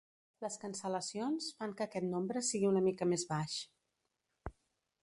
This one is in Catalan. Les cancel·lacions fan que aquest nombre sigui una mica més baix.